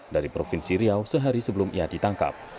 dari provinsi riau sehari sebelum ia ditangkap